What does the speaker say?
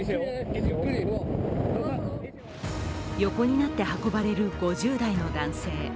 横になって運ばれる５０代の男性。